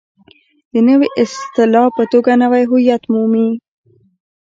د نوې اصطلاح په توګه نوی هویت مومي.